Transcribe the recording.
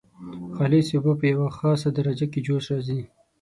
خالصې اوبه په یوه خاصه درجه کې جوش راځي.